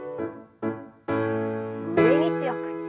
上に強く。